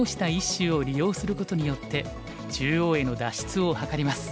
１子を利用することによって中央への脱出を図ります。